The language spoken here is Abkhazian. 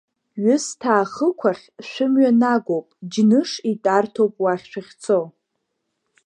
Ҩысҭаа хықәахь шәымҩа нагоуп, Џьныш итәарҭоуп уахь шәахьцо.